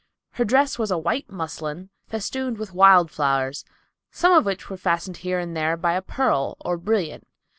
Her dress was a white muslin, festooned with wild flowers, some of which were fastened here and there by a pearl or brilliant.